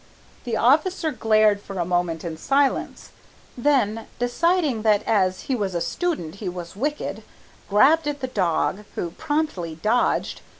The officer glared for a moment in silence, then deciding that as he was a student he was wicked, grabbed at the dog, who promptly dodged.